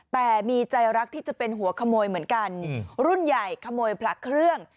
แต่มีใจรักที่จะเป็นหัวขโมยเหมือนกันรุ่นใหญ่ขโมยพระเครื่อง